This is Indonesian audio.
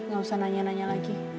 gak usah nanya nanya lagi